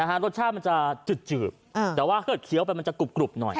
รสชาติมันจะจืดแต่ว่าเกิดเคี้ยวไปมันจะกรุบหน่อย